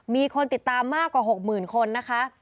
มีคนติดตามมากกว่า๖๐๐๐คนนะคะ